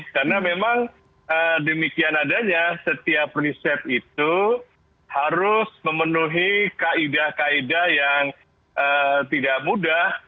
karena memang demikian adanya setiap riset itu harus memenuhi kaedah kaedah yang tidak mudah